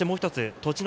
栃ノ